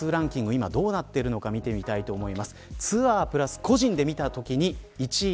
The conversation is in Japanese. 今どうなってるのか見てみたいと思います。